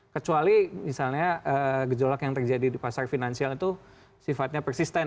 kecuali misalnya gejolak yang terjadi di pasar finansial itu sifatnya persisten